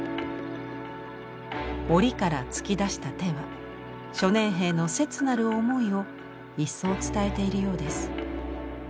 檻から突き出した手は初年兵の切なる思いをいっそう伝えているようです。